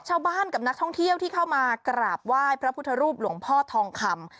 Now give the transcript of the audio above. ชาวบ้านกับนักท่องเที่ยวที่เข้ามากราบไหว้พระพุทธรูปหลวงพ่อทองคำ